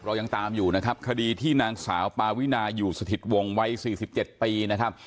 เรายังตามอยู่นะครับคดีที่นางสาวปาวินาอยู่สถิตวงวัย๔๗ปีนะครับ